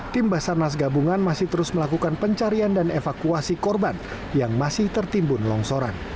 tim basarnas gabungan masih terus melakukan pencarian dan evakuasi korban yang masih tertimbun longsoran